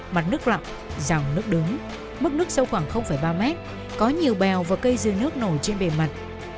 mặt nước lặng dòng nước đứng mức nước sâu khoảng ba mét có nhiều bèo và cây dưa nước nổi trên bề mặt